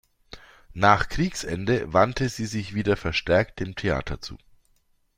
Nach Kriegsende wandte sie sich wieder verstärkt dem Theater zu.